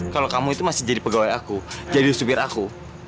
kalau kamu itu masih jadi pegawai aku jadi supir aku